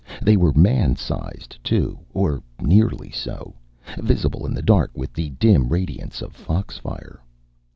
They were man size, too, or nearly so, visible in the dark with the dim radiance of fox fire.